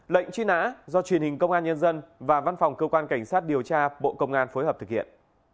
lệnh truy nã do truyền hình công an nhân dân và văn phòng cơ quan cảnh sát điều tra bộ công an phối hợp thực hiện